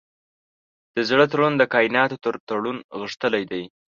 د زړه تړون د کایناتو تر تړون غښتلی دی.